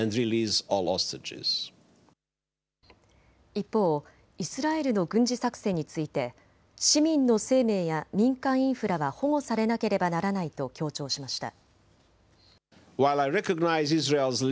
一方、イスラエルの軍事作戦について市民の生命や民間インフラは保護されなければならないと強調しました。